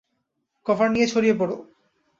Cover নিয়ে ছড়িয়ে পড়ো!